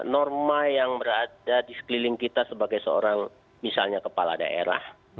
norma yang berada di sekeliling kita sebagai seorang misalnya kepala daerah